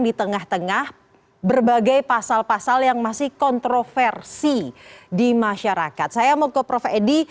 di tengah tengah berbagai pasal pasal yang masih kontroversi di masyarakat saya mau ke prof edi